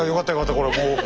これもう。